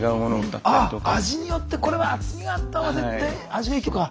あっ味によってこれは厚みがあった方が絶対味が生きるとか。